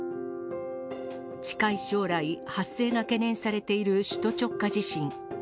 近い将来、発生が懸念されている首都直下地震。